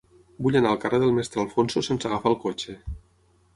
Vull anar al carrer del Mestre Alfonso sense agafar el cotxe.